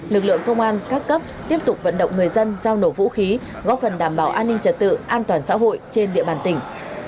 lực lượng công an các cấp tiếp tục vận động người dân giao nổ vũ khí góp phần đảm bảo an ninh trật tự an toàn xã hội trên địa bàn tỉnh